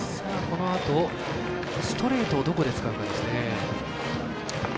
このあとストレートをどこで使うかですね。